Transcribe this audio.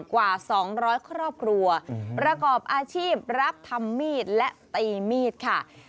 กว่า๒๐๐ครอบครัวประกอบอาชีพรับทำมีดและตีมีดค่ะ